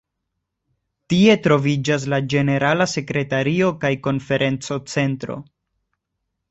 Tie troviĝas la ĝenerala sekretario kaj konferenco-centro.